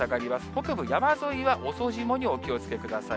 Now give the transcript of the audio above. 北部、山沿いは遅霜にお気をつけください。